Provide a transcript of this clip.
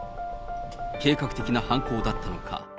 計画的な犯行だったのか。